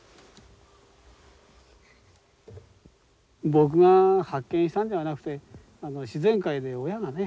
僕が発見したんではなくて自然界で親がね